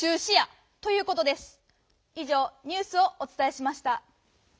い上ニュースをおつたえしました。